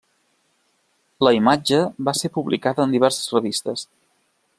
La imatge va ser publicada en diverses revistes.